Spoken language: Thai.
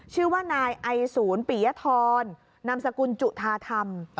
ชื่อว่านายไอศูนย์ปียธรนามสกุลจุธาธรรม